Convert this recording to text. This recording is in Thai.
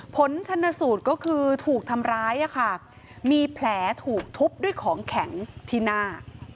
ผลชนสูตรก็คือถูกทำร้ายมีแผลถูกทุบด้วยของแข็งที่หน้า